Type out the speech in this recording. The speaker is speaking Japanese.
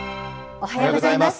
おはようございます。